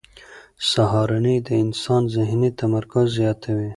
سهارنۍ د انسان ذهني تمرکز زیاتوي.